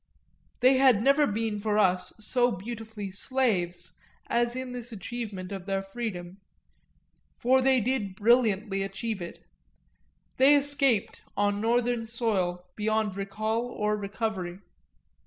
They had never been for us so beautifully slaves as in this achievement of their freedom; for they did brilliantly achieve it they escaped, on northern soil, beyond recall or recovery.